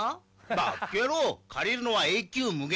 「バッカ野郎」「借りるのは永久無限。